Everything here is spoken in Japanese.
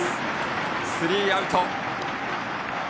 スリーアウト。